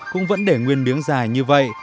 cũng vẫn để nguyên miếng dài như vậy